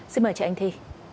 xin mời chị anh thy